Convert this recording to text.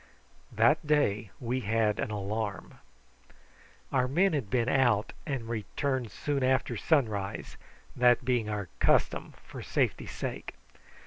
That day we had an alarm. Our men had been out and returned soon after sunrise, that being our custom for safety's sake.